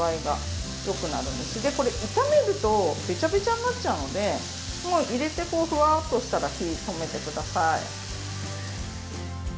でこれ炒めるとべちゃべちゃになっちゃうのでもう入れてこうふわっとしたら火を止めて下さい。